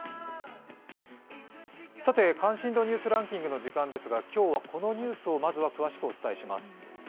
関心度ニュースランキングの時間ですが、今日はこのニュースを詳しくお伝えします。